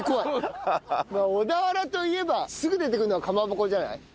小田原といえばすぐ出てくるのはかまぼこじゃない？